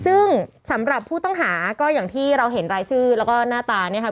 ซึ่งสำหรับผู้ต้องหาก็อย่างที่เราเห็นรายชื่อแล้วก็หน้าตาเนี่ยค่ะ